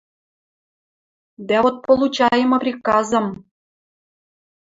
Дӓ вот получайымы приказым.